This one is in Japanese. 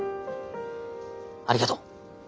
ありがとう。